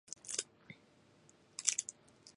モンスーンは季節風